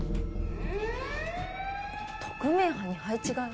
特命班に配置換え？